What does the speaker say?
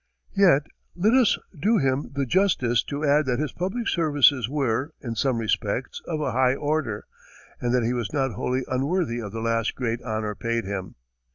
Yet let us do him the justice to add that his public services were, in some respects, of a high order, and that he was not wholly unworthy of the last great honor paid him.